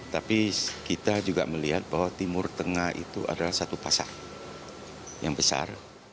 tapi kita juga melihat bahwa timur tengah itu adalah satu pasar yang besar